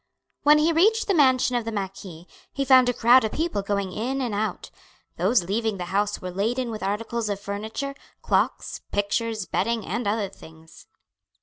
When he reached the mansion of the marquis he found a crowd of people going in and out. Those leaving the house were laden with articles of furniture, clocks, pictures, bedding, and other things.